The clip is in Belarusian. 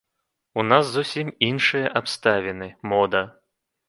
У нас зусім іншыя абставіны, мода.